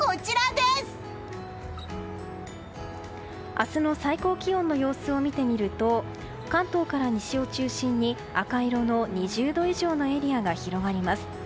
明日の最高気温の様子を見てみると関東から西を中心に赤色の２０度以上のエリアが広がります。